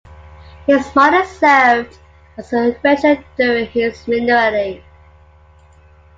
His mother served as the regent during his minority.